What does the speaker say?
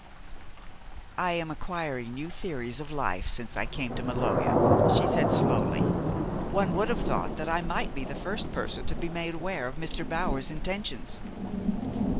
"I am acquiring new theories of life since I came to Maloja," she said slowly. "One would have thought that I might be the first person to be made aware of Mr. Bower's intentions."